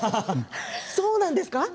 そうなんですか？